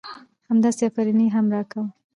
همداسې افرينى يې هم را کوه .